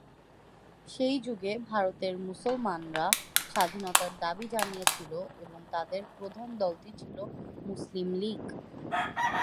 সেই যুগে ভারতের মুসলমানরা স্বাধীনতার দাবি জানিয়েছিল এবং তাদের প্রধান দলটি ছিল মুসলিম লীগ।